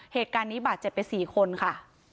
เหตุการณ์นี้บาดเจ็บไป๔คนค่ะ